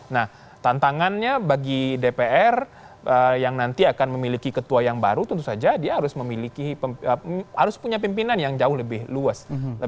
nah tantangannya bagi dpr yang nanti akan memiliki ketua yang baru tentu saja dia harus memiliki pimpinan yang jauh lebih luas